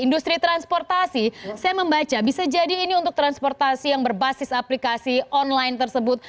industri transportasi saya membaca bisa jadi ini untuk transportasi yang berbasis aplikasi online tersebut